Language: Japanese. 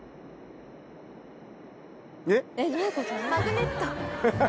マグネット。